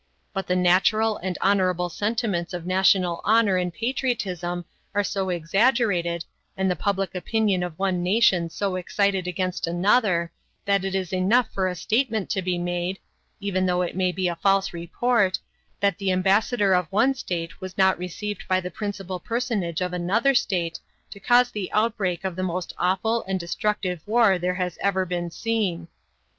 But the natural and honorable sentiments of national honor and patriotism are so exaggerated, and the public opinion of one nation so excited against another, that it is enough for a statement to be made (even though it may be a false report) that the ambassador of one state was not received by the principal personage of another state to cause the outbreak of the most awful and destructive war there has ever been seen.